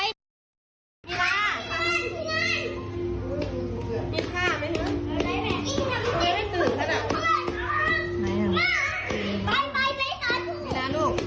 มีนะ